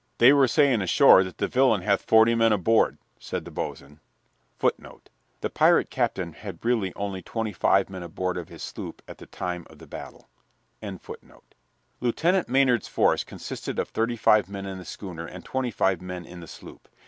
"They were saying ashore that the villain hath forty men aboard," said the boatswain. [Footnote 2: The pirate captain had really only twenty five men aboard of his sloop at the time of the battle.] Lieutenant Maynard's force consisted of thirty five men in the schooner and twenty five men in the sloop.